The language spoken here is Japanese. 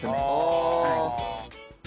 ああ。